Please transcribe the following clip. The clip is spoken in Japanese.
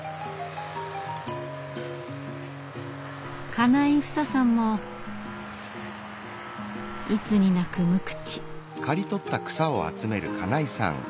金井ふささんもいつになく無口。